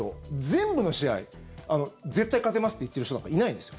全部の試合、絶対勝てますって言っている人なんかいないんです。